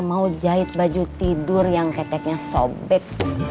mau jahit baju tidur yang heteknya sobek